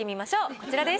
こちらです。